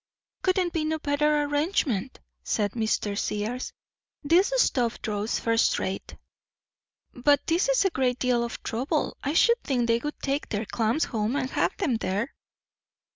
"Couldn't be no better arrangement," said Mr. Sears. "This stove draws first rate." "But this is a great deal of trouble. I should think they would take their clams home and have them there."